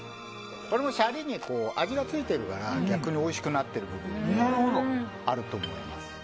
これもシャリに味がついているから逆においしくなっている部分があると思います。